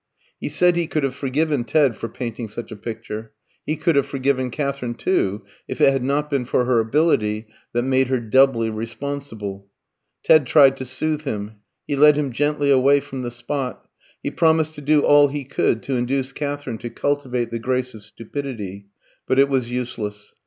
He said he could have forgiven Ted for painting such a picture. He could have forgiven Katherine too, if it had not been for her ability that made her doubly responsible. Ted tried to soothe him; he led him gently away from the spot; he promised to do all he could to induce Katherine to cultivate the grace of stupidity; but it was useless.